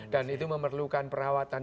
dan itu memerlukan perawatan